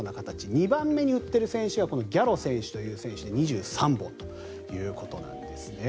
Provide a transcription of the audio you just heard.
２番目に打っている選手がこのギャロ選手という選手で２３本ということです。